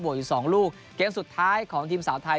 อยู่สองลูกเกมสุดท้ายของทีมสาวไทย